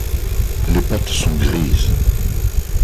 Les pattes sont grises.